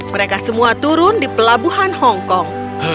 mereka semua turun di pelabuhan hong kong